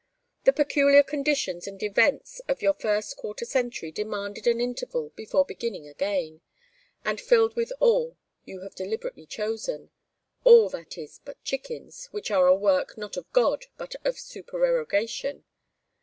The peculiar conditions and events of your first quarter century demanded an interval before beginning again; and filled with all you have deliberately chosen all, that is, but chickens, which are a work not of God but of supererogation.